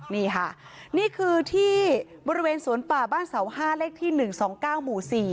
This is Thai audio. นี่ค่ะนี่คือที่บริเวณสวนป่าบ้านเสา๕เลขที่๑๒๙หมู่๔